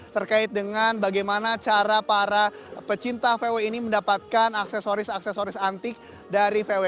terkait dengan bagaimana cara para pecinta vw ini mendapatkan aksesoris aksesoris antik dari vw